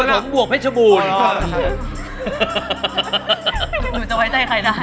หนูจะไว้ใจใครด้าน